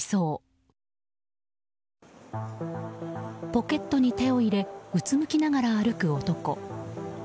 ポケットに手を入れうつむきながら歩く男。